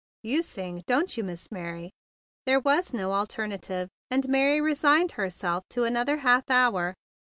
"You sing, don't you, Miss Mary?" There was nothing for it, and Mary resigned herself to another half hour.